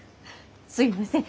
すいません。